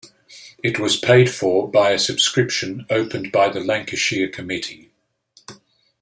It was paid for by a subscription opened by the Lancashire Committee.